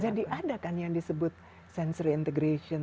jadi ada kan yang disebut sensory integration